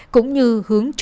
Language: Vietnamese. cũng như hướng điều tra